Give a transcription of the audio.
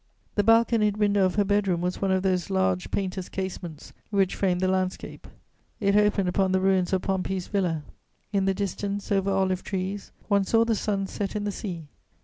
The balconied window of her bed room was one of those large painter's casements which frame the landscape. It opened upon the ruins of Pompey's Villa; in the distance, over olive trees, one saw the sun set in the sea.